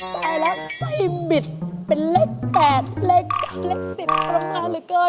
ตายแล้วไส้บิดเป็นเลข๘เลข๑๐ตรงมาเหลือเกิน